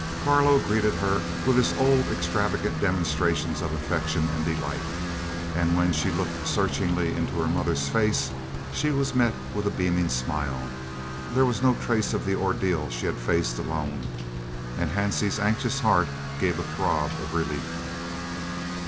Carlo greeted her with his old extravagant demonstrations of affection and delight, and when she looked searchingly into her mother's face she was met with a beaming smile. There was no trace of the ordeal she had faced alone, and Hansie's anxious heart gave a throb of relief.